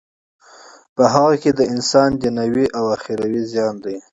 په هغه کی د انسان دینوی او اخروی زیان دی.